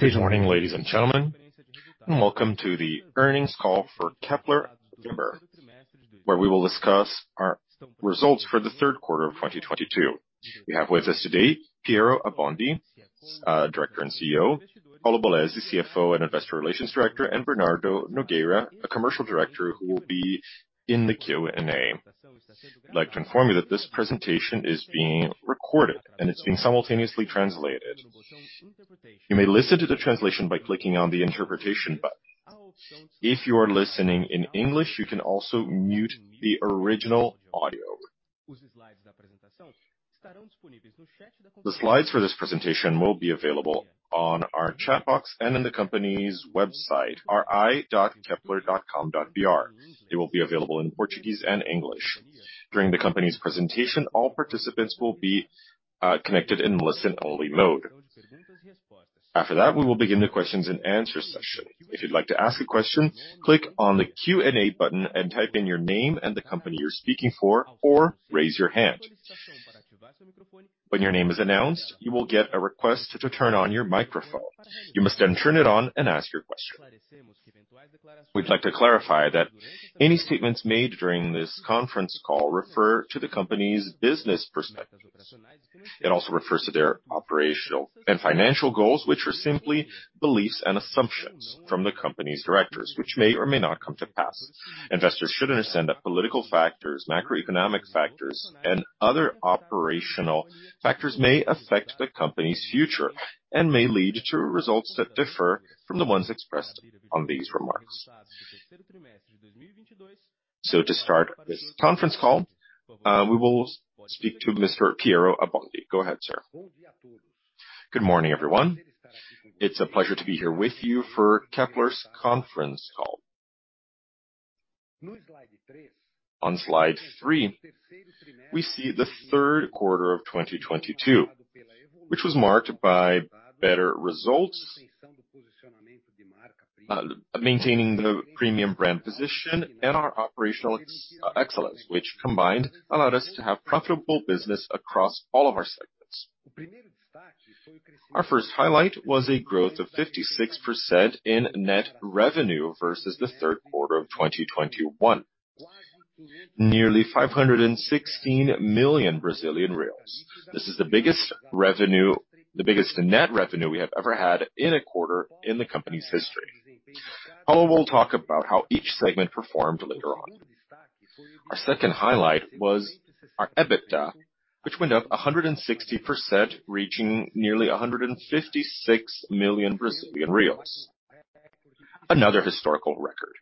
Good morning, ladies and gentlemen, and welcome to the earnings call for Kepler Weber, where we will discuss our results for the third quarter of 2022. We have with us today Piero Abbondi, Director and CEO, Paulo Polezi, CFO and Investor Relations Director, and Bernardo Nogueira, Commercial Director who will be in the Q&A. I'd like to inform you that this presentation is being recorded and it's being simultaneously translated. You may listen to the translation by clicking on the interpretation button. If you are listening in English, you can also mute the original audio. The slides for this presentation will be available on our chat box and in the company's website, ri.kepler.com.br. It will be available in Portuguese and English. During the company's presentation, all participants will be connected in listen-only mode. After that, we will begin the questions and answers session. If you'd like to ask a question, click on the Q&A button and type in your name and the company you're speaking for or raise your hand. When your name is announced, you will get a request to turn on your microphone. You must then turn it on and ask your question. We'd like to clarify that any statements made during this conference call refer to the company's business perspectives. It also refers to their operational and financial goals, which are simply beliefs and assumptions from the company's directors, which may or may not come to pass. Investors should understand that political factors, macroeconomic factors, and other operational factors may affect the company's future and may lead to results that differ from the ones expressed on these remarks. To start this conference call, we will speak to Mr. Piero Abbondi. Go ahead, sir. Good morning, everyone. It's a pleasure to be here with you for Kepler's conference call. On slide three, we see the third quarter of 2022, which was marked by better results, maintaining the premium brand position and our operational excellence, which combined, allowed us to have profitable business across all of our segments. Our first highlight was a growth of 56% in net revenue versus the third quarter of 2021. Nearly 516 million Brazilian reais. This is the biggest revenue. The biggest net revenue we have ever had in a quarter in the company's history. Paulo will talk about how each segment performed later on. Our second highlight was our EBITDA, which went up 160%, reaching nearly 156 million Brazilian reais. Another historical record.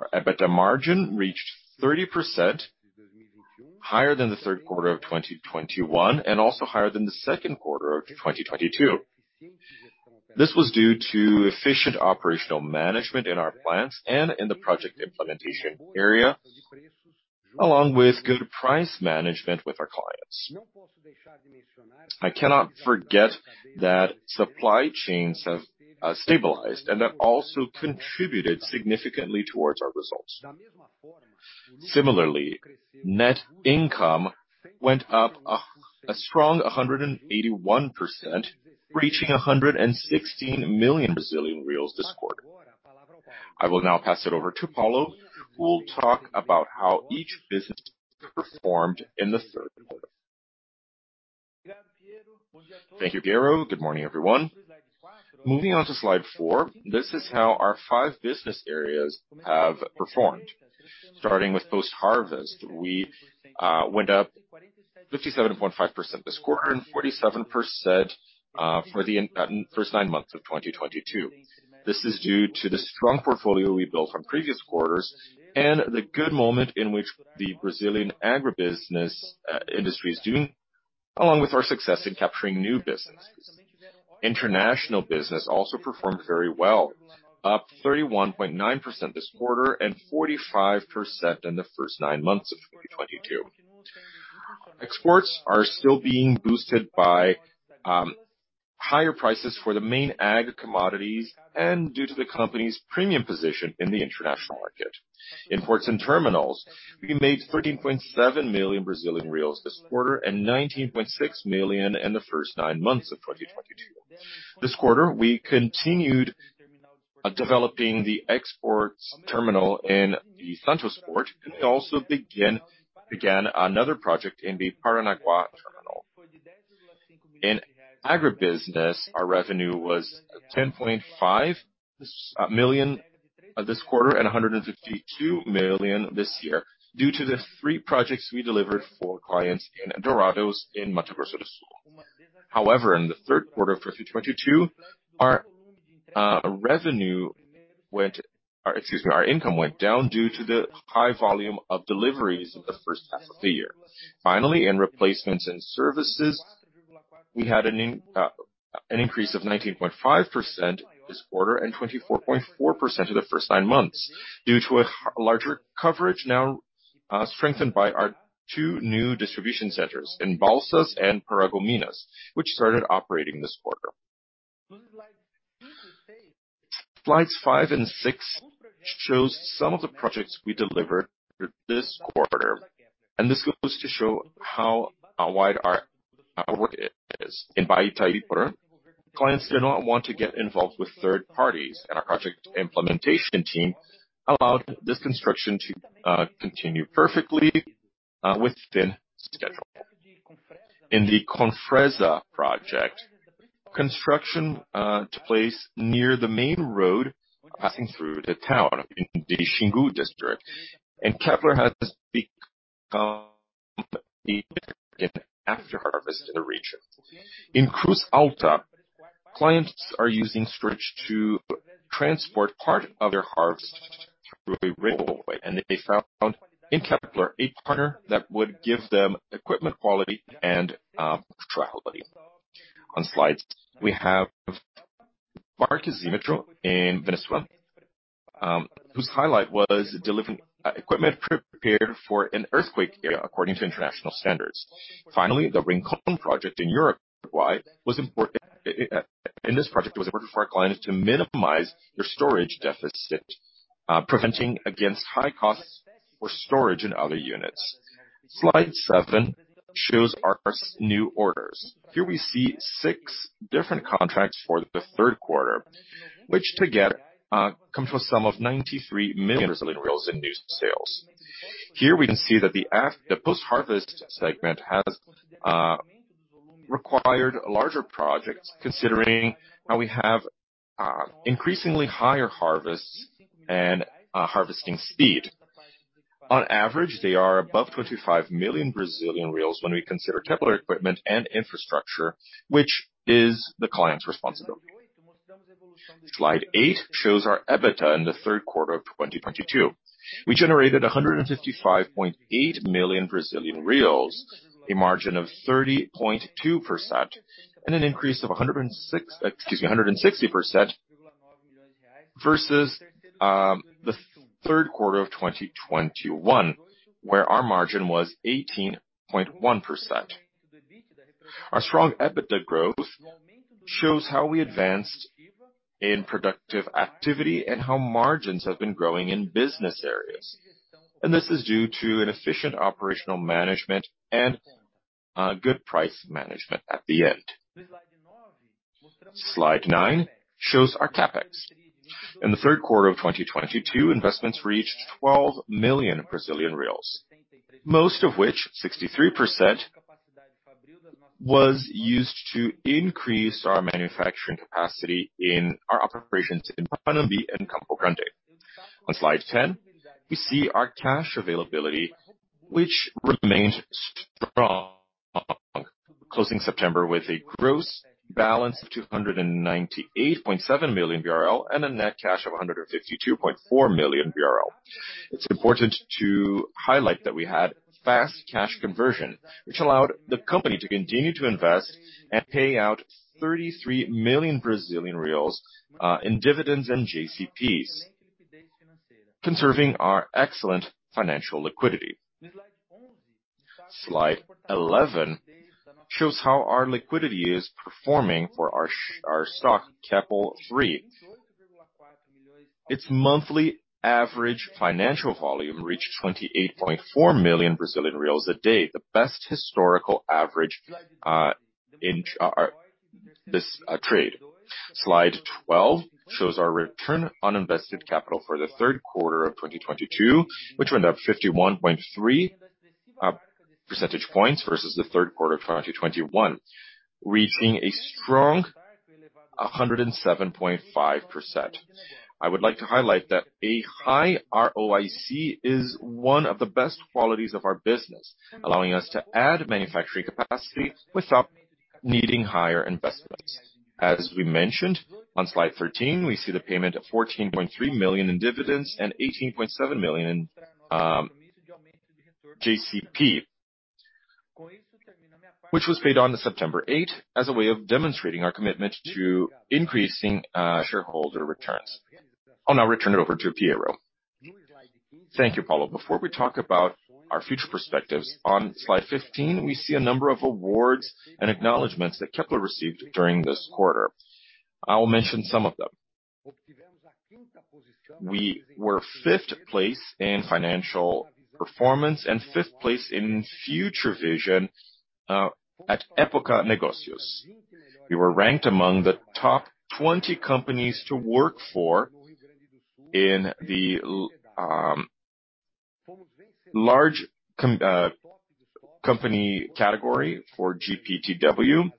Our EBITDA margin reached 30% higher than the third quarter of 2021 and also higher than the second quarter of 2022. This was due to efficient operational management in our plants and in the project implementation area, along with good price management with our clients. I cannot forget that supply chains have stabilized, and that also contributed significantly towards our results. Similarly, net income went up a strong 181%, reaching 116 million Brazilian reais this quarter. I will now pass it over to Paulo, who will talk about how each business performed in the third quarter. Thank you, Piero. Good morning, everyone. Moving on to slide four, this is how our five business areas have performed. Starting with post-harvest, we went up 57.5% this quarter and 47% for the first nine months of 2022. This is due to the strong portfolio we built from previous quarters and the good moment in which the Brazilian agribusiness industry is doing, along with our success in capturing new business. International business also performed very well, up 31.9% this quarter and 45% in the first nine months of 2022. Exports are still being boosted by higher prices for the main ag commodities and due to the company's premium position in the international market. In ports and terminals, we made 13.7 million Brazilian reais this quarter and 19.6 million in the first nine months of 2022. This quarter, we continued developing the exports terminal in the Santos port. We also began another project in the Paranaguá terminal. In agribusiness, our revenue was 10.5 million this quarter and 152 million this year due to the three projects we delivered for clients in Dourados in Mato Grosso do Sul. However, in the third quarter of 2022, our income went down due to the high volume of deliveries in the first half of the year. Finally, in replacements and services, we had an increase of 19.5% this quarter and 24.4% in the first nine months due to larger coverage now, strengthened by our two new distribution centers in Balsas and Paragominas, which started operating this quarter. Slides five and six show some of the projects we delivered through this quarter, and this goes to show how wide our work is. In Baeta, clients did not want to get involved with third parties, and our project implementation team allowed this construction to continue perfectly within schedule. In the Confresa project, construction took place near the main road passing through the town in the Xingu district, and Kepler has become the post-harvest leader in the region. In Cruz Alta, clients are using storage to transport part of their harvest through a railway, and they found in Kepler a partner that would give them equipment quality and reliability. On slides, we have El Marqués in Venezuela, whose highlight was delivering equipment prepared for an earthquake area according to international standards. Finally, the Rincón project in Uruguay was important. In this project, it was important for our clients to minimize their storage deficit, preventing against high costs for storage in other units. Slide 7 shows our new orders. Here we see 6 different contracts for the third quarter, which together comes to a sum of 93 million Brazilian reais in new sales. Here we can see that the post-harvest segment has required larger projects considering how we have increasingly higher harvests and harvesting speed. On average, they are above 25 million Brazilian reais when we consider Kepler equipment and infrastructure, which is the client's responsibility. Slide eight shows our EBITDA in the third quarter of 2022. We generated 155.8 million Brazilian reais, a margin of 30.2% and an increase of 106... Excuse me, 160% versus the third quarter of 2021, where our margin was 18.1%. Our strong EBITDA growth shows how we advanced in productive activity and how margins have been growing in business areas. This is due to an efficient operational management and good price management at the end. Slide nine shows our CapEx. In the third quarter of 2022, investments reached 12 million Brazilian reais, most of which, 63%, was used to increase our manufacturing capacity in our operations in Panambi and Campo Grande. On slide ten, we see our cash availability, which remained strong closing September with a gross balance of 298.7 million BRL and a net cash of 152.4 million BRL. It's important to highlight that we had fast cash conversion, which allowed the company to continue to invest and pay out 33 million Brazilian reais in dividends and JCPs, conserving our excellent financial liquidity. Slide 11 shows how our liquidity is performing for our stock, KEPL3. Its monthly average financial volume reached 28.4 million Brazilian reais a day, the best historical average in our trade. Slide 12 shows our return on invested capital for the third quarter of 2022, which went up 51.3 percentage points versus the third quarter of 2021, reaching a strong 107.5%. I would like to highlight that a high ROIC is one of the best qualities of our business, allowing us to add manufacturing capacity without needing higher investments. As we mentioned on slide 13, we see the payment of 14.3 million in dividends and 18.7 million in JCP, which was paid on September 8 as a way of demonstrating our commitment to increasing shareholder returns. I'll now turn it over to Piero. Thank you, Paulo. Before we talk about our future perspectives, on slide 15, we see a number of awards and acknowledgments that Kepler received during this quarter. I will mention some of them. We were fifth place in financial performance and fifth place in future vision at Época Negócios. We were ranked among the top 20 companies to work for in the large company category for GPTW,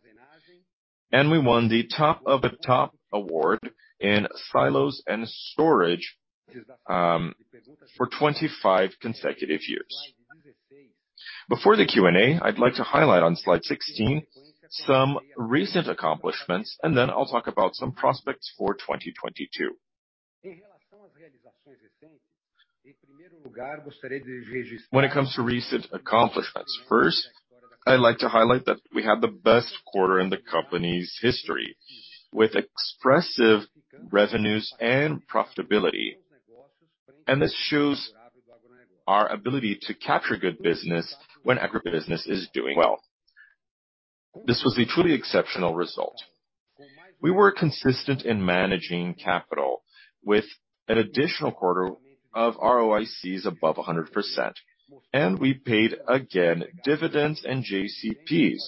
and we won the Top of Mind Award in silos and storage for 25 consecutive years. Before the Q&A, I'd like to highlight on slide 16 some recent accomplishments, and then I'll talk about some prospects for 2022. When it comes to recent accomplishments, first, I'd like to highlight that we had the best quarter in the company's history with expressive revenues and profitability. This shows our ability to capture good business when agribusiness is doing well. This was a truly exceptional result. We were consistent in managing capital with an additional quarter of ROICs above 100%, and we paid again dividends and JCPs,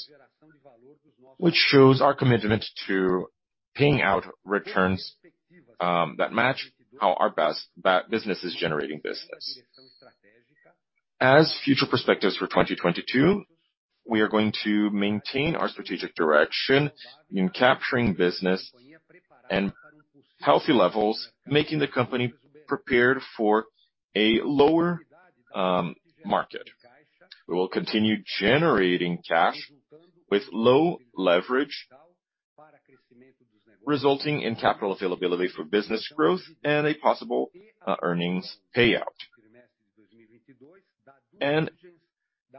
which shows our commitment to paying out returns, that match how our best business is generating business. As future perspectives for 2022, we are going to maintain our strategic direction in capturing business and healthy levels, making the company prepared for a lower, market. We will continue generating cash with low leverage, resulting in capital availability for business growth and a possible earnings payout.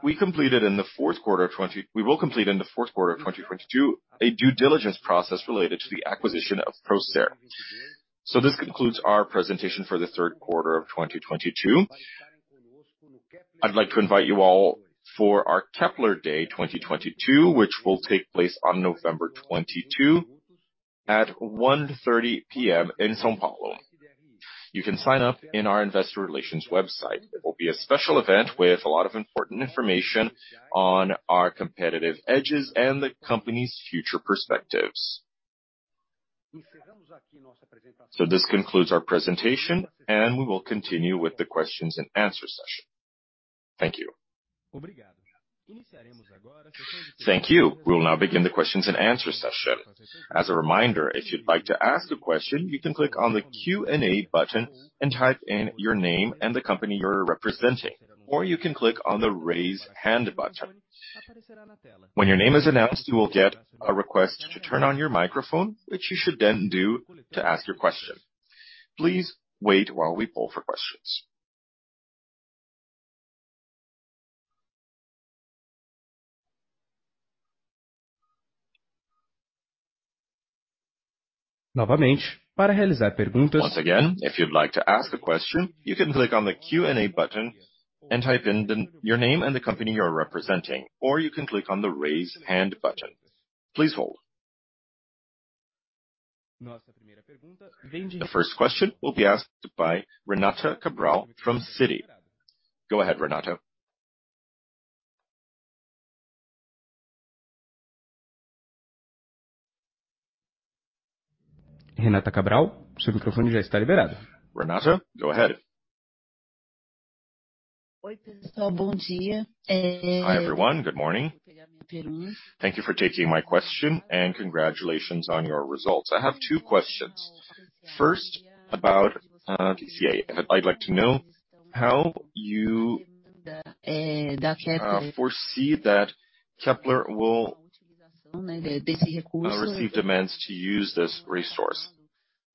We will complete in the fourth quarter of 2022 a due diligence process related to the acquisition of Procer. This concludes our presentation for the third quarter of 2022. I'd like to invite you all for our Kepler Day 2022, which will take place on November 22 at 1:30 P.M. in São Paulo. You can sign up in our investor relations website. It will be a special event with a lot of important information on our competitive edges and the company's future perspectives. This concludes our presentation, and we will continue with the questions and answer session. Thank you. Thank you. We'll now begin the questions and answer session. As a reminder, if you'd like to ask a question, you can click on the Q&A button and type in your name and the company you're representing. Or you can click on the Raise Hand button. When your name is announced, you will get a request to turn on your microphone, which you should then do to ask your question. Please wait while we poll for questions. Once again, if you'd like to ask a question, you can click on the Q&A button and type in your name and the company you're representing, or you can click on the Raise Hand button. Please hold. The first question will be asked by Renata Cabral from Citi. Go ahead, Renata. Renata, go ahead. Hi, everyone. Good morning. Thank you for taking my question, and congratulations on your results. I have two questions. First, about PCA. I'd like to know how you foresee that Kepler will receive demands to use this resource.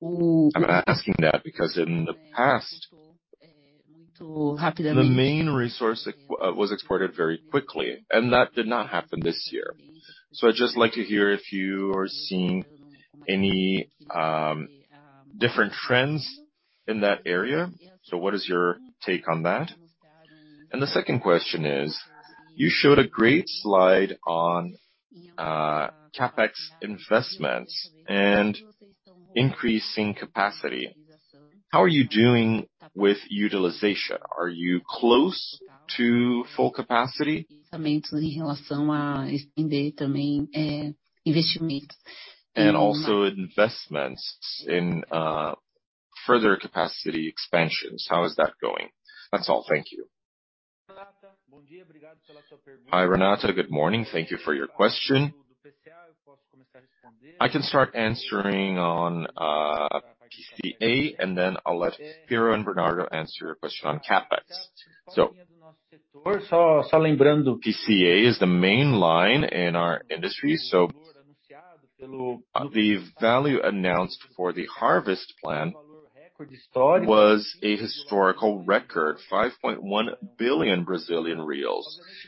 I'm asking that because, in the past, the main resource was exported very quickly, and that did not happen this year. I'd just like to hear if you are seeing any different trends in that area. What is your take on that? The second question is, you showed a great slide on CapEx investments and increasing capacity. How are you doing with utilization? Are you close to full capacity? Also investments in further capacity expansions, how is that going? That's all. Thank you. Hi, Renata. Good morning. Thank you for your question. I can start answering on PCA, and then I'll let Piero and Bernardo answer your question on CapEx. PCA is the main line in our industry, so the value announced for the harvest plan was a historical record, 5.1 billion Brazilian reais,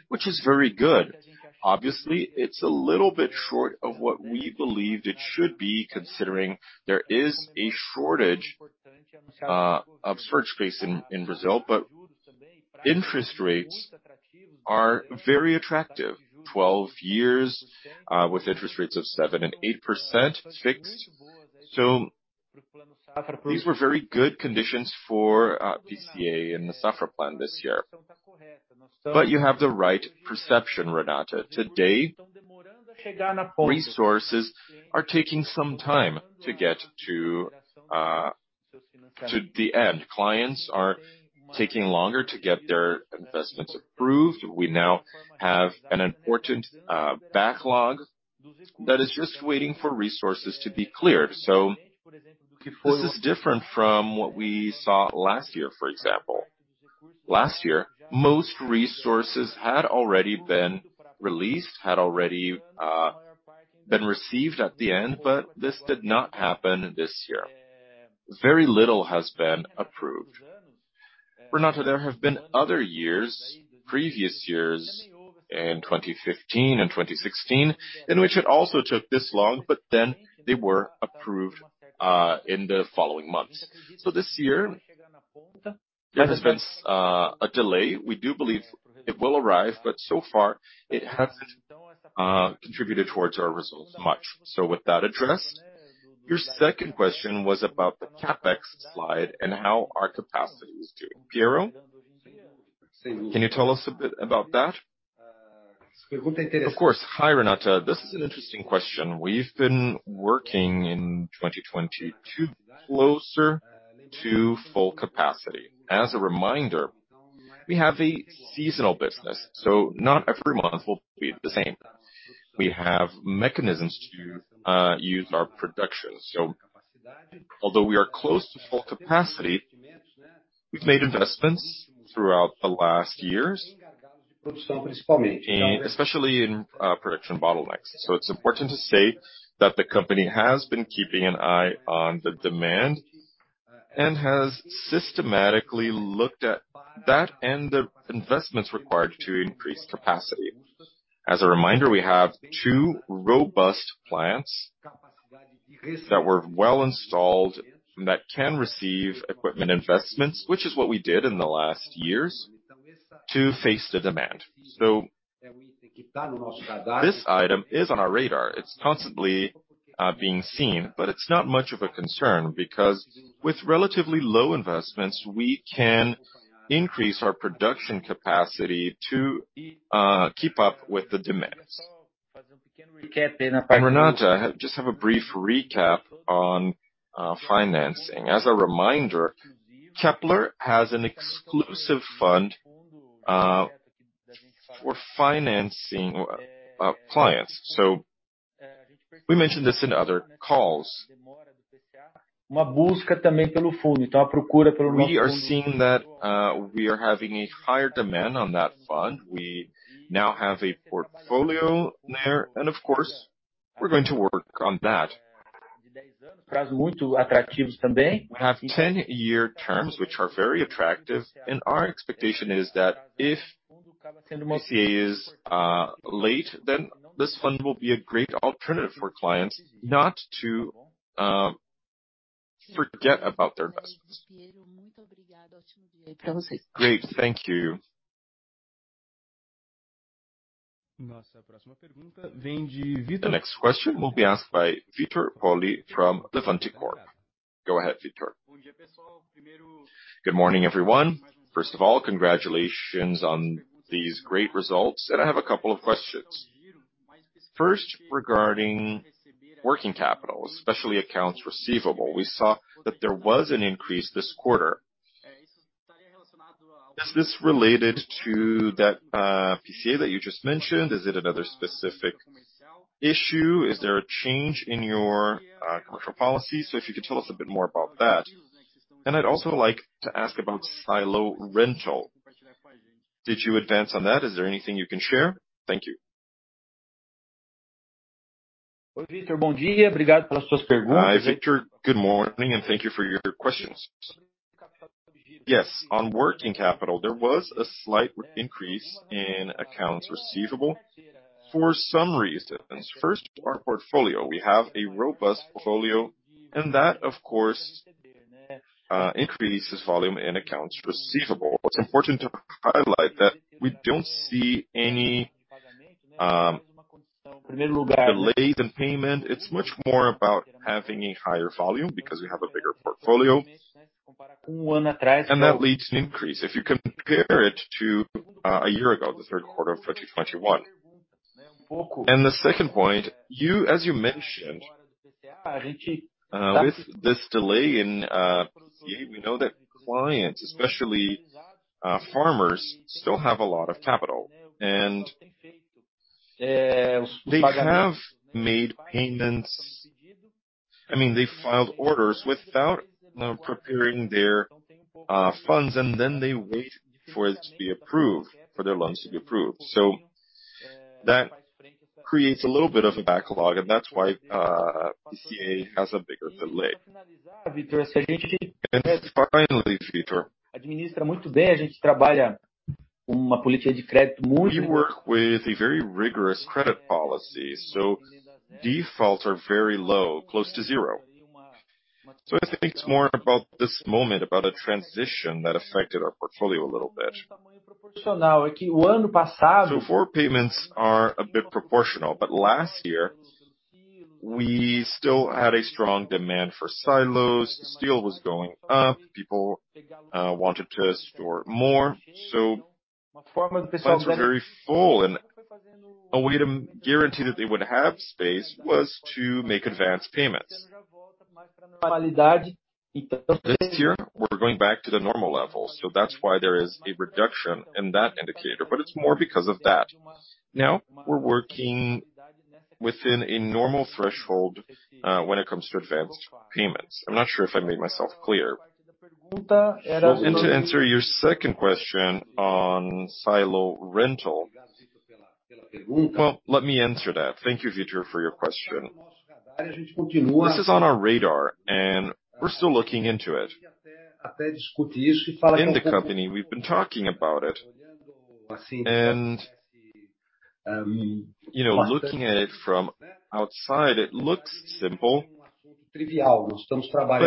which is very good. Obviously, it's a little bit short of what we believed it should be, considering there is a shortage of storage space in Brazil. Interest rates are very attractive. 12 years with interest rates of 7% and 8% fixed. These were very good conditions for PCA in the Safra plan this year. You have the right perception, Renata. Today, resources are taking some time to get to the end. Clients are taking longer to get their investments approved. We now have an important backlog that is just waiting for resources to be cleared. This is different from what we saw last year, for example. Last year, most resources had already been released and received at the end, but this did not happen this year. Very little has been approved. Renata, there have been other years, previous years in 2015 and 2016, in which it also took this long, but then they were approved in the following months. This year. Yeah, there's been a delay. We do believe it will arrive, but so far it hasn't contributed towards our results much. With that addressed, your second question was about the CapEx slide and how our capacity is doing. Piero, can you tell us a bit about that? Of course. Hi, Renata. This is an interesting question. We've been working in 2022 closer to full capacity. As a reminder, we have a seasonal business, so not every month will be the same. We have mechanisms to use our production. Although we are close to full capacity, we've made investments throughout the last years and especially in production bottlenecks. It's important to say that the company has been keeping an eye on the demand, and has systematically looked at that and the investments required to increase capacity. As a reminder, we have two robust plants that were well installed that can receive equipment investments, which is what we did in the last years to face the demand. This item is on our radar. It's constantly being seen, but it's not much of a concern because with relatively low investments, we can increase our production capacity to keep up with the demands. Renata, just have a brief recap on financing. As a reminder, Kepler has an exclusive fund for financing clients. We mentioned this in other calls. We are seeing that we are having a higher demand on that fund. We now have a portfolio there, and of course, we're going to work on that. We have ten-year terms which are very attractive, and our expectation is that if PCA is late, then this fund will be a great alternative for clients not to forget about their investments. Great. Thank you. The next question will be asked by Victor Poli from Levante Corp. Go ahead, Victor. Good morning, everyone. First of all, congratulations on these great results, and I have a couple of questions. First, regarding working capital, especially accounts receivable. We saw that there was an increase this quarter. Is this related to that PCA that you just mentioned? Is it another specific issue? Is there a change in your commercial policy? If you could tell us a bit more about that. I'd also like to ask about silo rental. Did you advance on that? Is there anything you can share? Thank you. Hi, Victor. Good morning, and thank you for your questions. Yes, on working capital, there was a slight increase in accounts receivable for some reasons. First, our portfolio. We have a robust portfolio, and that of course increases volume in accounts receivable. It's important to highlight that we don't see any delays in payment. It's much more about having a higher volume because we have a bigger portfolio, and that leads to an increase. If you compare it to a year ago, the third quarter of 2021. The second point, as you mentioned, with this delay in PCA, we know that clients, especially farmers, still have a lot of capital. They have made payments. I mean, they filed orders without preparing their funds and then they wait for it to be approved, for their loans to be approved. That creates a little bit of a backlog, and that's why PCA has a bigger delay. Finally, Victor, we work with a very rigorous credit policy, so defaults are very low, close to zero. I think it's more about this moment, about a transition that affected our portfolio a little bit. Forward payments are a bit proportional, but last year, we still had a strong demand for silos. Steel was going up. People wanted to store more. Silos were very full, and a way to guarantee that they would have space was to make advanced payments. This year, we're going back to the normal levels. That's why there is a reduction in that indicator, but it's more because of that. Now, we're working within a normal threshold, when it comes to advanced payments. I'm not sure if I made myself clear. Well, to answer your second question on silo rental. Well, let me answer that. Thank you, Victor, for your question. This is on our radar, and we're still looking into it. In the company, we've been talking about it, and you know, looking at it from outside, it looks simple, but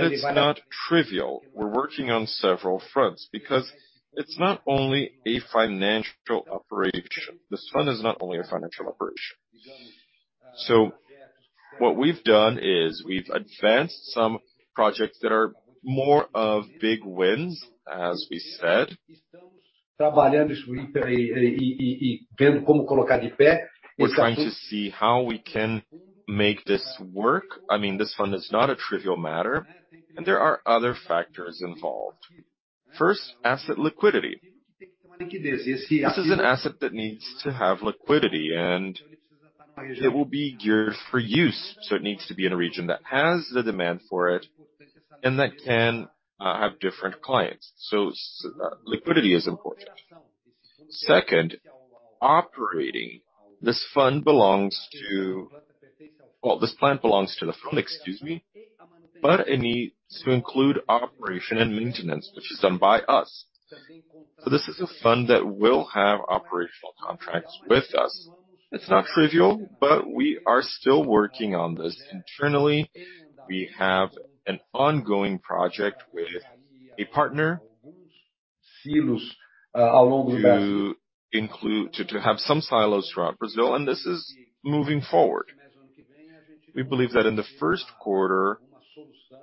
it's not trivial. We're working on several fronts because it's not only a financial operation. This fund is not only a financial operation. What we've done is we've advanced some projects that are more of big wins, as we said. We're trying to see how we can make this work. I mean, this fund is not a trivial matter, and there are other factors involved. First, asset liquidity. This is an asset that needs to have liquidity, and it will be geared for use, so it needs to be in a region that has the demand for it and that can have different clients. Liquidity is important. Second, operating. This fund belongs to well, this plant belongs to the fund, excuse me, but it needs to include operation and maintenance, which is done by us. This is a fund that will have operational contracts with us. It's not trivial, but we are still working on this internally. We have an ongoing project with a partner to have some silos throughout Brazil, and this is moving forward. We believe that in the first quarter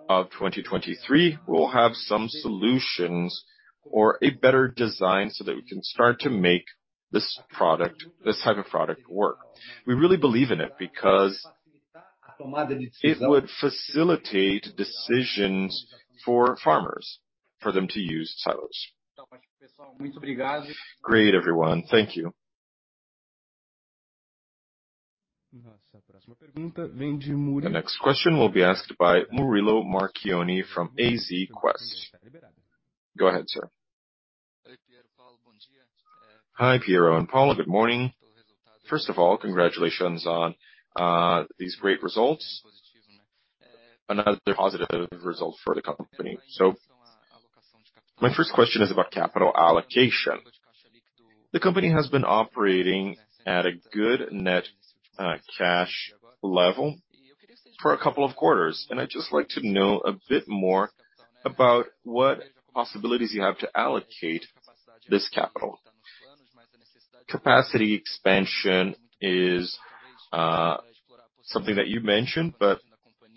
of 2023, we'll have some solutions or a better design so that we can start to make this type of product work. We really believe in it because it would facilitate decisions for farmers for them to use silos. Great, everyone. Thank you. The next question will be asked by Murilo Marchioni from AZ Quest. Go ahead, sir. Hi, Piero and Paulo. Good morning. First of all, congratulations on these great results. Another positive result for the company. My first question is about capital allocation. The company has been operating at a good net, cash level for a couple of quarters, and I'd just like to know a bit more about what possibilities you have to allocate this capital. Capacity expansion is, something that you mentioned, but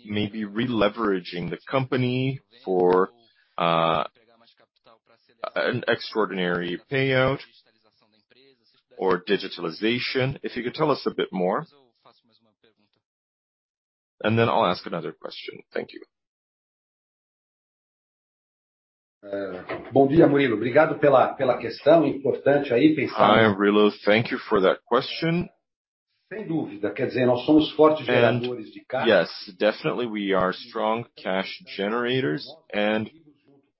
maybe re-leveraging the company for, an extraordinary payout or digitalization. If you could tell us a bit more. I'll ask another question. Thank you. Hi, Murilo. Thank you for that question. Yes, definitely we are strong cash generators, and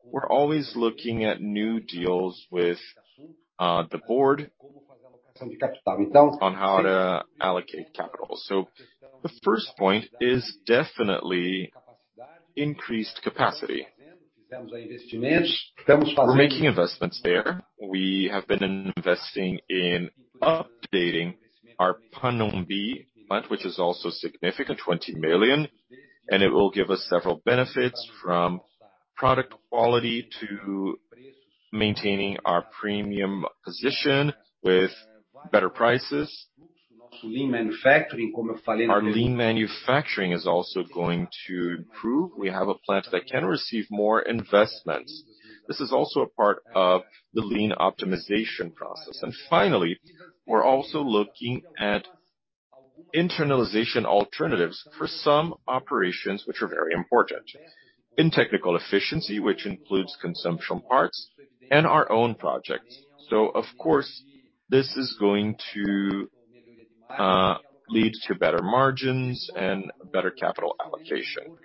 we're always looking at new deals with the board on how to allocate capital. The first point is definitely increased capacity. We're making investments there. We have been investing in updating our Panambi plant, which is also significant, 20 million, and it will give us several benefits from product quality to maintaining our premium position with better prices. Our lean manufacturing is also going to improve. We have a plant that can receive more investments. This is also a part of the lean optimization process. Finally, we're also looking at internalization alternatives for some operations which are very important in technical efficiency, which includes consumption parts and our own projects. Of course, this is going to lead to better margins and better capital allocation.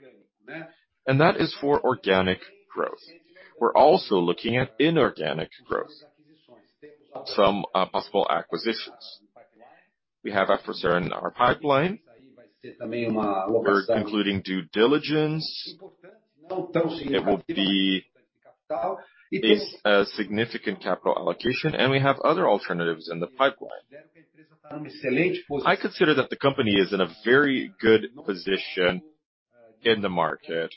That is for organic growth. We're also looking at inorganic growth, some possible acquisitions. We have Afrosert in our pipeline. We're concluding due diligence. It will be a significant capital allocation, and we have other alternatives in the pipeline. I consider that the company is in a very good position in the market.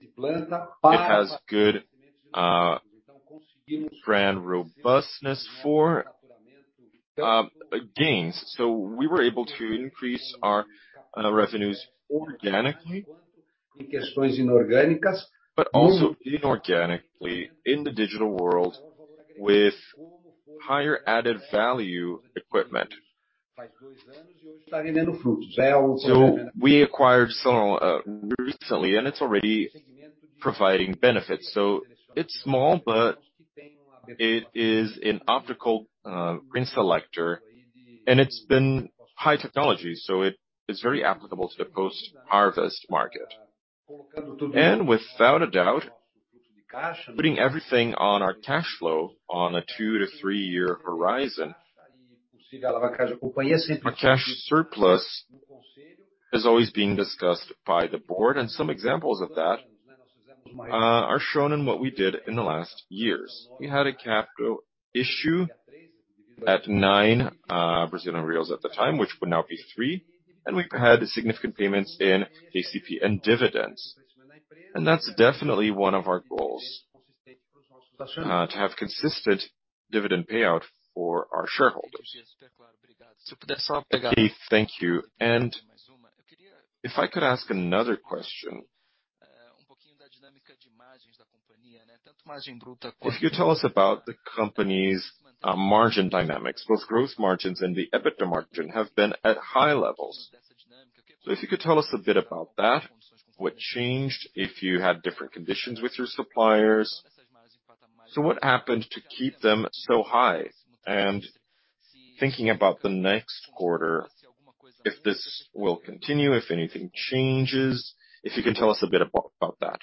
It has good brand robustness for gains. We were able to increase our revenues organically, but also inorganically in the digital world with higher added value equipment. We acquired Seletron recently, and it's already providing benefits. It's small, but it is an optical grain selector, and it's been high technology, so it is very applicable to the post-harvest market. Without a doubt, putting everything on our cash flow on a two-three year horizon, our cash surplus is always being discussed by the board, and some examples of that are shown in what we did in the last years. We had a capital issue at 9 Brazilian reais at the time, which would now be 3, and we've had significant payments in JCP and dividends. That's definitely one of our goals to have consistent dividend payout for our shareholders. Okay, thank you. If I could ask another question. If you could tell us about the company's margin dynamics. Both growth margins and the EBITDA margin have been at high levels. If you could tell us a bit about that, what changed, if you had different conditions with your suppliers. What happened to keep them so high? Thinking about the next quarter, if this will continue, if anything changes, if you could tell us a bit about that.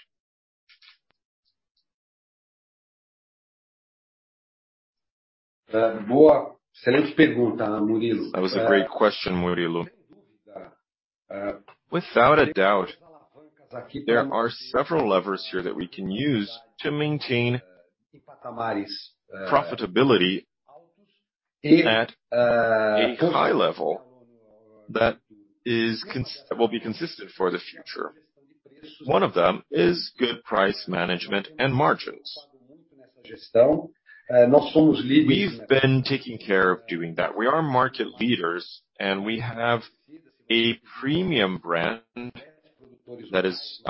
That was a great question, Murilo. Without a doubt, there are several levers here that we can use to maintain profitability at a high level that will be consistent for the future. One of them is good price management and margins. We've been taking care of doing that. We are market leaders, and we have a premium brand that is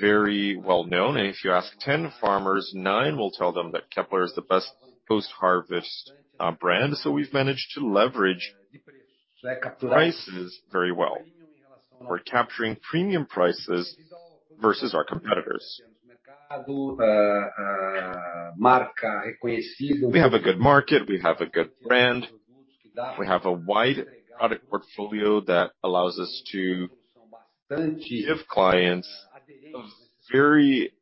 very well-known. If you ask 10 farmers, nine will tell them that Kepler is the best post-harvest brand. We've managed to leverage prices very well. We're capturing premium prices versus our competitors. We have a good market, we have a good brand, we have a wide product portfolio that allows us to give clients a very,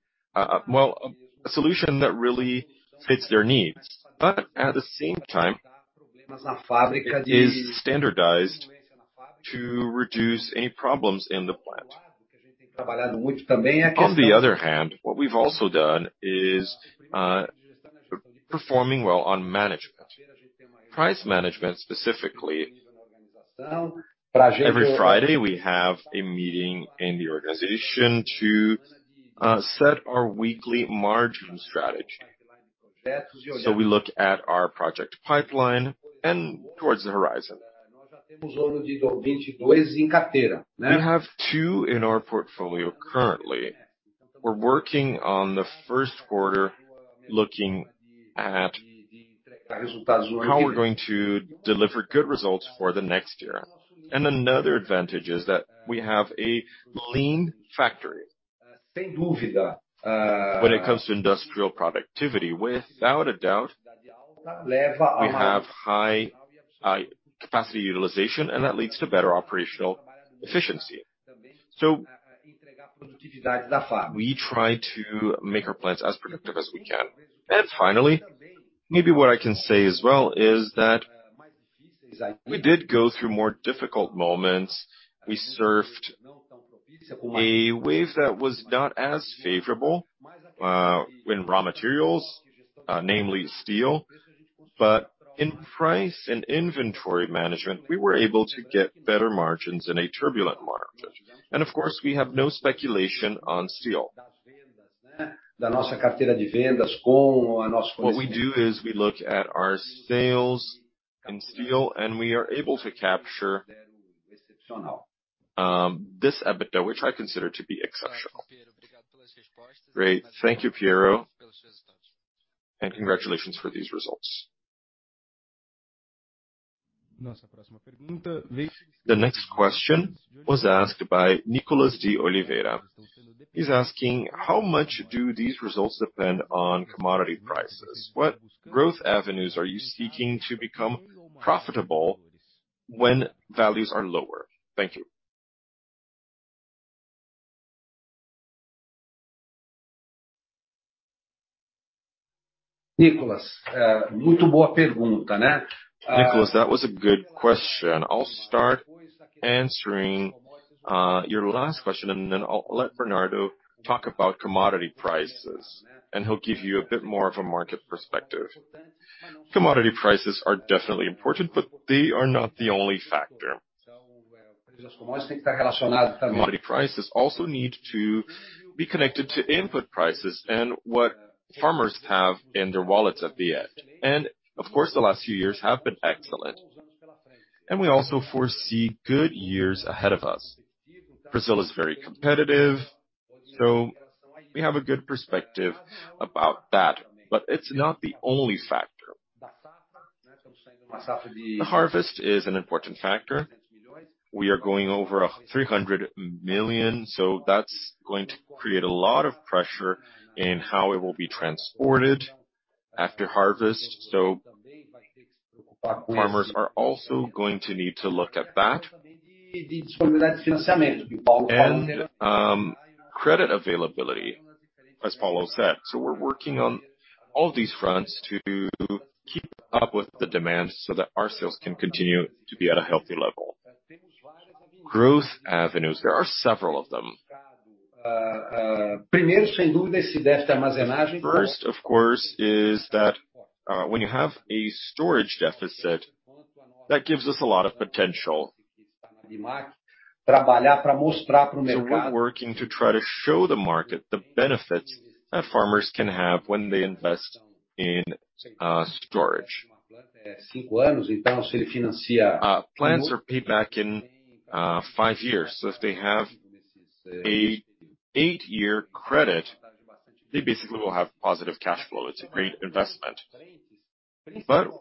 well, a solution that really fits their needs. At the same time, it is standardized to reduce any problems in the plant. On the other hand, what we've also done is performing well on management. Price management, specifically. Every Friday, we have a meeting in the organization to set our weekly margin strategy. We look at our project pipeline and towards the horizon. We have two in our portfolio currently. We're working on the first quarter, looking at how we're going to deliver good results for the next year. Another advantage is that we have a lean factory. When it comes to industrial productivity, without a doubt, we have high capacity utilization, and that leads to better operational efficiency. We try to make our plants as productive as we can. Finally, maybe what I can say as well is that we did go through more difficult moments. We surfed a wave that was not as favorable in raw materials, namely steel. In price and inventory management, we were able to get better margins in a turbulent market. Of course, we have no speculation on steel. What we do is we look at our sales in steel, and we are able to capture this EBITDA, which I consider to be exceptional. Great. Thank you, Piero. Congratulations for these results. The next question was asked by Nicolas D. Oliveira. He's asking: How much do these results depend on commodity prices? What growth avenues are you seeking to become profitable when values are lower? Thank you. Nicolas D. Oliveira, that was a good question. I'll start answering your last question, and then I'll let Bernardo Nogueira talk about commodity prices, and he'll give you a bit more of a market perspective. Commodity prices are definitely important, but they are not the only factor. Commodity prices also need to be connected to input prices and what farmers have in their wallets at the end. Of course, the last few years have been excellent, and we also foresee good years ahead of us. Brazil is very competitive, so we have a good perspective about that, but it's not the only factor. The harvest is an important factor. We are going over 300 million, so that's going to create a lot of pressure in how it will be transported after harvest. Farmers are also going to need to look at that. Credit availability. As Paulo said, we're working on all these fronts to keep up with the demand so that our sales can continue to be at a healthy level. Growth avenues, there are several of them. First, of course, is that when you have a storage deficit, that gives us a lot of potential. We're working to try to show the market the benefits that farmers can have when they invest in storage. Plans are paid back in 5 years. If they have an 8-year credit, they basically will have positive cash flow. It's a great investment.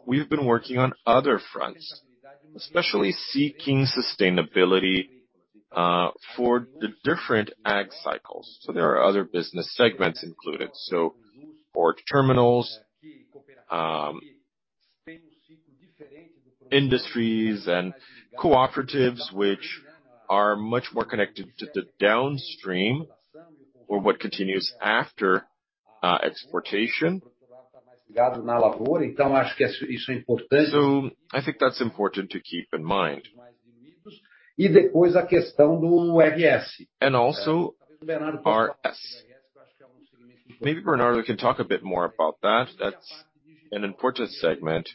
We've been working on other fronts, especially seeking sustainability, for the different ag cycles. There are other business segments included. Port terminals, industries and cooperatives which are much more connected to the downstream or what continues after, exportation. I think that's important to keep in mind. Also RS. Maybe Bernardo can talk a bit more about that. That's an important segment.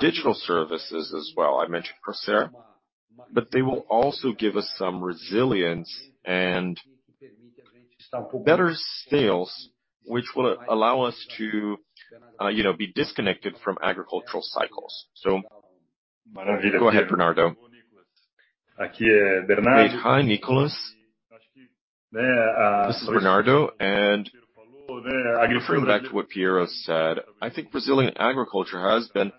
Digital services as well. I mentioned Procer. They will also give us some resilience and better scales, which will allow us to, you know, be disconnected from agricultural cycles. Go ahead, Bernardo. Okay. Hi, Nicholas. This is Bernardo. Referring back to what Piero said, I think Brazilian agriculture has been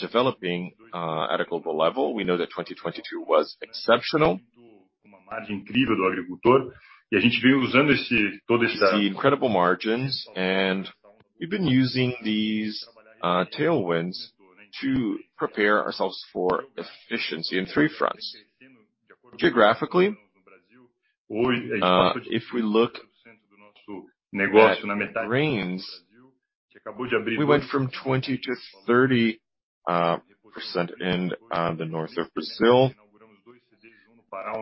developing at a global level. We know that 2022 was exceptional. You see incredible margins, and we've been using these tailwinds to prepare ourselves for efficiency in three fronts. Geographically, if we look at grains, we went from 20%-30% in the north of Brazil.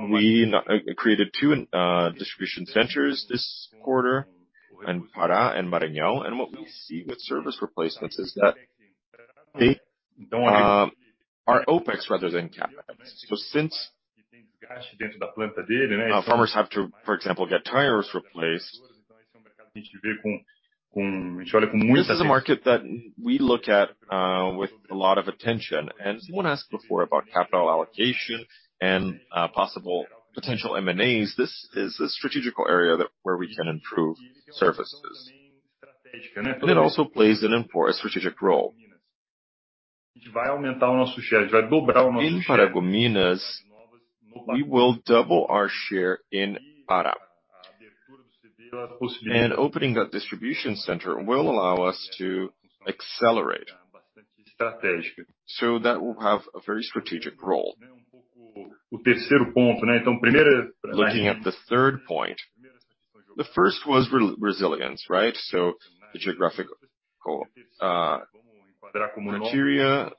We created two distribution centers this quarter in Pará and Maranhão. What we see with service replacements is that they are OpEx rather than CapEx. Since farmers have to, for example, get tires replaced, this is a market that we look at with a lot of attention. Someone asked before about capital allocation and possible potential M&As. This is a strategical area where we can improve services. It also plays a strategic role. In Paragominas, we will double our share in Pará. Opening a distribution center will allow us to accelerate. That will have a very strategic role. Looking at the third point, the first was resilience, right? The geographical criteria.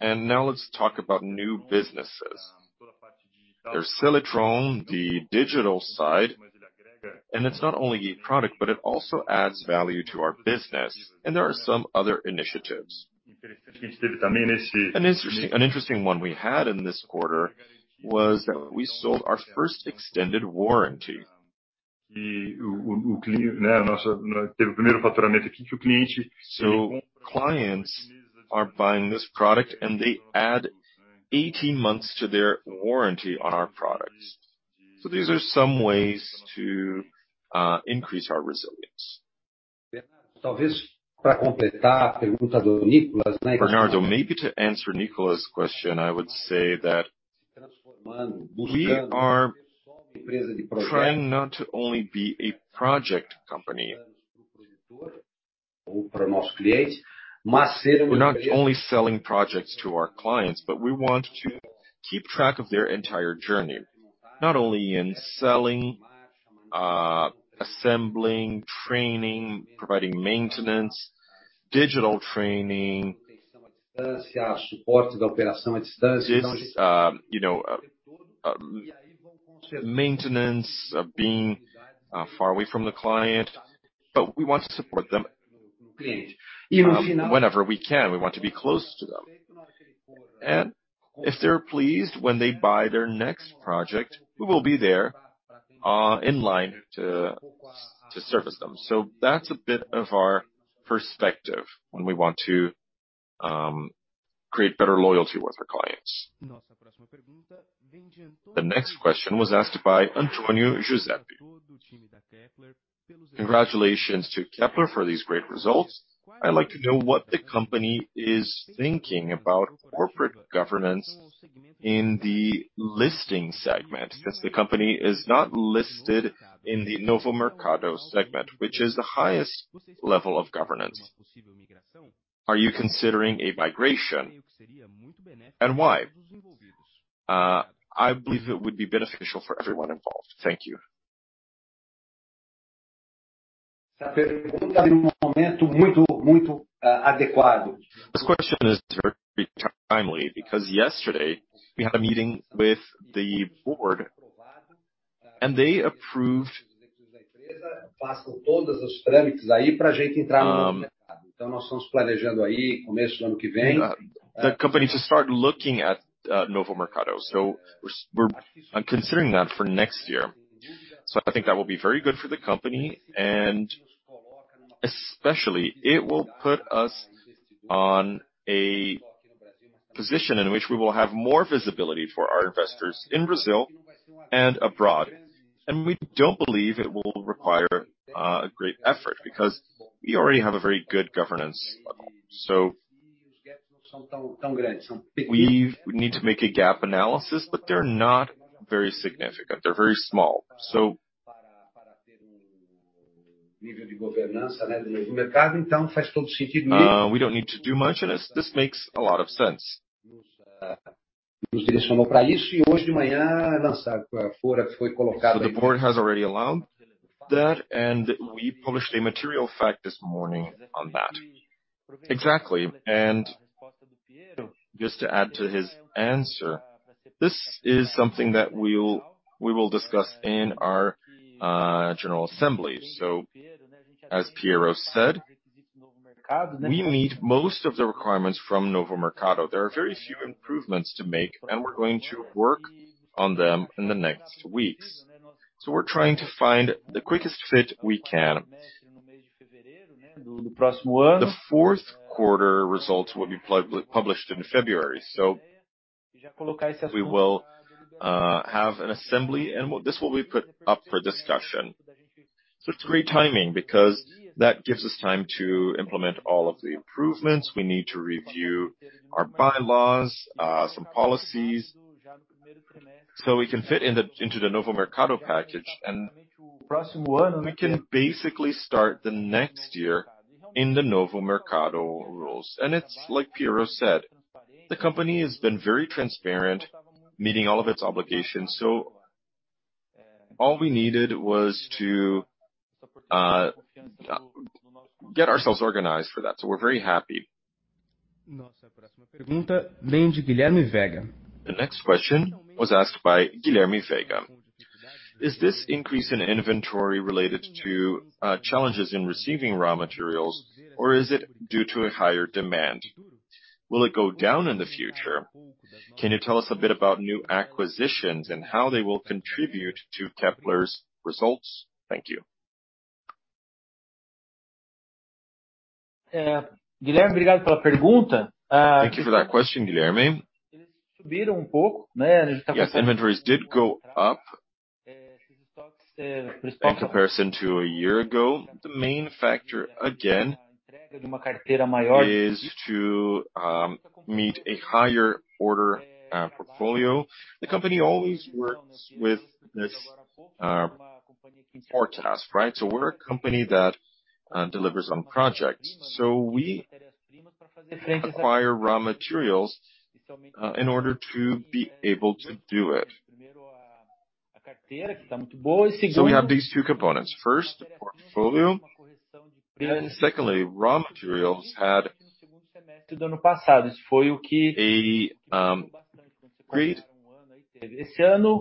Now let's talk about new businesses. There's Seletron, the digital side, and it's not only a product, but it also adds value to our business. There are some other initiatives. An interesting one we had in this quarter was that we sold our first extended warranty. Clients are buying this product, and they add 18 months to their warranty on our products. These are some ways to increase our resilience. Bernardo, maybe to answer Nicholas' question, I would say that we are trying not to only be a project company. We're not only selling projects to our clients, but we want to keep track of their entire journey, not only in selling, assembling, training, providing maintenance, digital training. This, you know, maintenance of being far away from the client, but we want to support them whenever we can. We want to be close to them. If they're pleased when they buy their next project, we will be there in line to service them. That's a bit of our perspective when we want to create better loyalty with our clients. The next question was asked by Antonio Giuseppe. Congratulations to Kepler for these great results. I'd like to know what the company is thinking about corporate governance in the listing segment, since the company is not listed in the Novo Mercado segment, which is the highest level of governance. Are you considering a migration and why? I believe it would be beneficial for everyone involved. Thank you. This question is very timely because yesterday we had a meeting with the board, and they approved the company to start looking at Novo Mercado. We're considering that for next year. I think that will be very good for the company, and especially it will put us in a position in which we will have more visibility for our investors in Brazil and abroad. We don't believe it will require a great effort because we already have a very good governance level. We need to make a gap analysis, but they're not very significant. They're very small. We don't need to do much, and this makes a lot of sense. The board has already allowed that, and we published a material fact this morning on that. Exactly. Just to add to his answer, this is something that we will discuss in our general assembly. As Piero said, we meet most of the requirements from Novo Mercado. There are very few improvements to make, and we're going to work on them in the next weeks. We're trying to find the quickest fit we can. The fourth quarter results will be published in February. We will have an assembly, and this will be put up for discussion. It's great timing because that gives us time to implement all of the improvements. We need to review our bylaws, some policies, so we can fit into the Novo Mercado package. We can basically start the next year in the Novo Mercado rules. It's like Piero said, the company has been very transparent, meeting all of its obligations. All we needed was to get ourselves organized for that. We're very happy. The next question was asked by Guilherme Vega. Is this increase in inventory related to challenges in receiving raw materials, or is it due to a higher demand? Will it go down in the future? Can you tell us a bit about new acquisitions and how they will contribute to Kepler's results? Thank you. Thank you for that question, Guilherme. Yes, inventories did go up in comparison to a year ago. The main factor, again, is to meet a higher order portfolio. The company always works with this portfolio, right? We're a company that delivers on projects. We acquire raw materials in order to be able to do it. We have these two components: first, portfolio, and secondly, raw materials had a great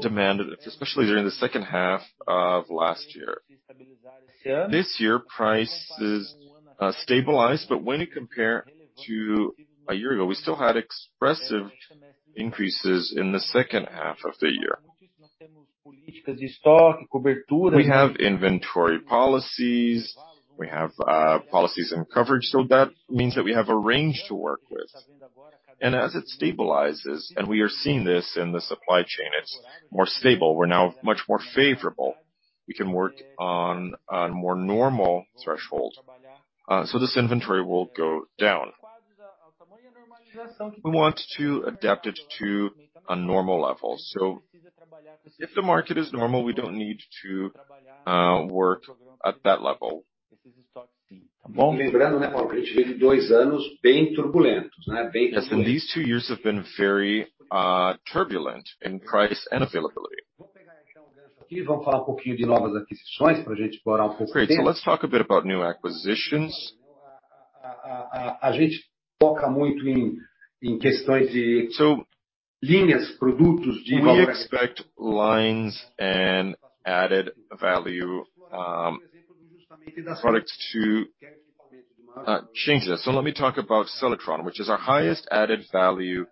demand, especially during the second half of last year. This year, prices stabilized, but when you compare to a year ago, we still had expressive increases in the second half of the year. We have inventory policies. We have policies and coverage. That means that we have a range to work with. As it stabilizes, and we are seeing this in the supply chain, it's more stable. We're now much more favorable. We can work on a more normal threshold, so this inventory will go down. We want to adapt it to a normal level. If the market is normal, we don't need to work at that level. As in, these two years have been very turbulent in price and availability. Great. Let's talk a bit about new acquisitions. We expect lines and added value products to change this. Let me talk about Seletron, which is our highest added value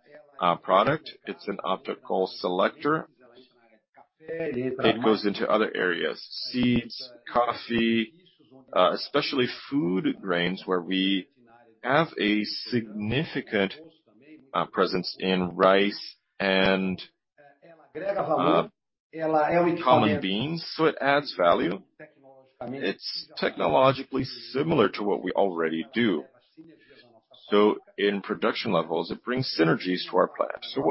product. It's an optical selector. It goes into other areas, seeds, coffee, especially food grains, where we have a significant presence in rice and common beans. It adds value. It's technologically similar to what we already do. In production levels, it brings synergies to our plant. We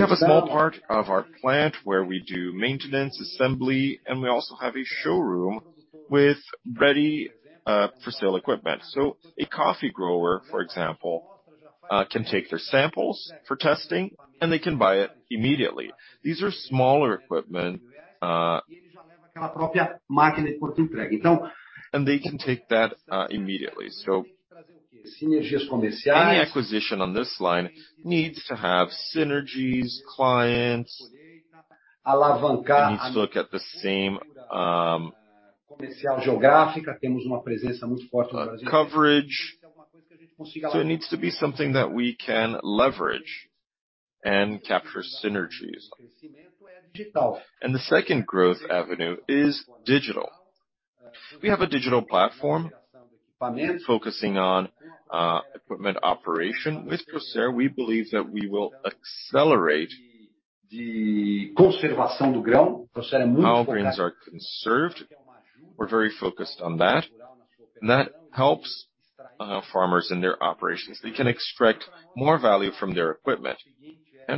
have a small part of our plant where we do maintenance, assembly, and we also have a showroom with ready for sale equipment. A coffee grower, for example, can take their samples for testing, and they can buy it immediately. These are smaller equipment, and they can take that immediately. Any acquisition on this line needs to have synergies, clients. It needs to look at the same, coverage. It needs to be something that we can leverage and capture synergies. The second growth avenue is digital. We have a digital platform focusing on, equipment operation. With Procer, we believe that we will accelerate how grains are conserved. We're very focused on that, and that helps, farmers in their operations. They can extract more value from their equipment.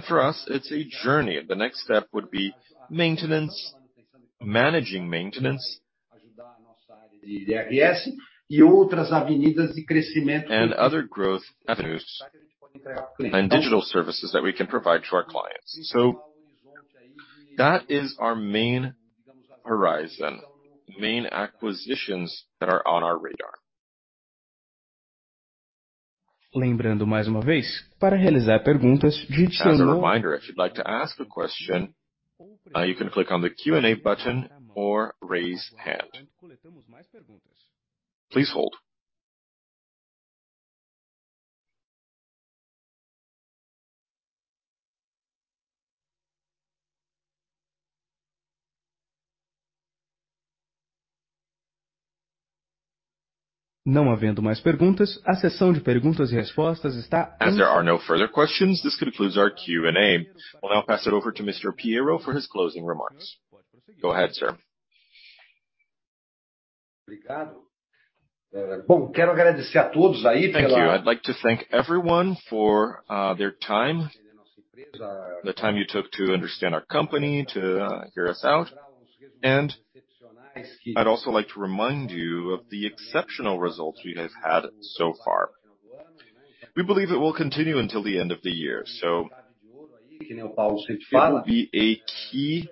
For us, it's a journey. The next step would be maintenance, managing maintenance. Other growth avenues and digital services that we can provide to our clients. That is our main horizon, main acquisitions that are on our radar. As a reminder, if you'd like to ask a question, you can click on the Q&A button or raise hand. Please hold. As there are no further questions, this concludes our Q&A. We'll now pass it over to Mr. Piero Abbondi for his closing remarks. Go ahead, sir. Thank you. I'd like to thank everyone for their time, the time you took to understand our company, to hear us out. I'd also like to remind you of the exceptional results we have had so far. We believe it will continue until the end of the year. It will be a key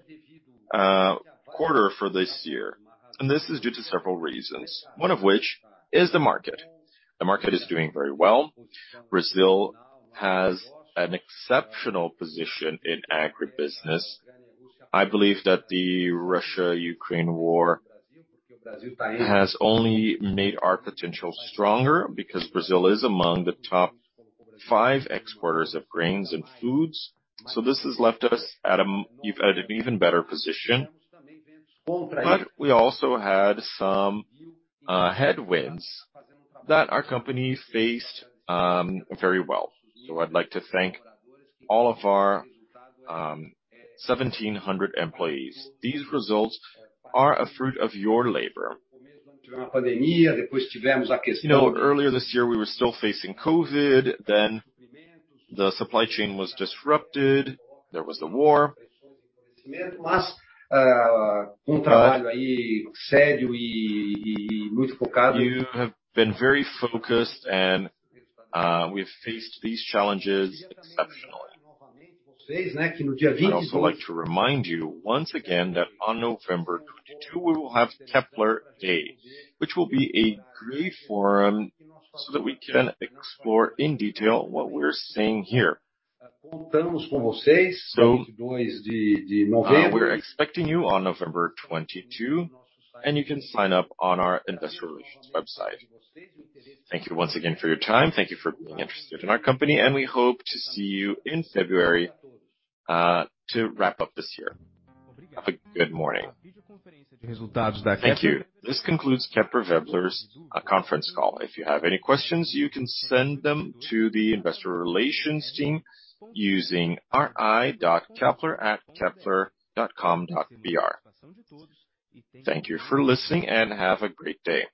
quarter for this year, and this is due to several reasons, one of which is the market. The market is doing very well. Brazil has an exceptional position in agribusiness. I believe that the Russia-Ukraine war has only made our potential stronger because Brazil is among the top five exporters of grains and foods. This has left us at an even better position. We also had some headwinds that our company faced very well. I'd like to thank all of our 1,700 employees. These results are a fruit of your labor. You know, earlier this year, we were still facing COVID. Then the supply chain was disrupted. There was the war. You have been very focused and we have faced these challenges exceptionally. I'd also like to remind you once again that on November 22, we will have Kepler Day, which will be a great forum so that we can explore in detail what we're saying here. We're expecting you on November 22, and you can sign up on our investor relations website. Thank you once again for your time. Thank you for being interested in our company, and we hope to see you in February to wrap up this year. Have a good morning. Thank you. This concludes Kepler Weber's conference call. If you have any questions, you can send them to the investor relations team using ri.kepler@kepler.com.br. Thank you for listening and have a great day.